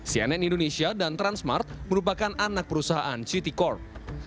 cnn indonesia dan transmart merupakan anak perusahaan citicorp